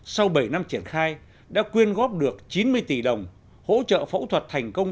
sau bảy năm triển khai đã quyên góp được chín mươi tỷ đồng hỗ trợ phẫu thuật thành công